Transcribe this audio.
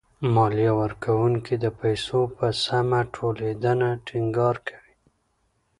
ماليه ورکوونکي د پيسو په سمه ټولېدنه ټېنګار کوي.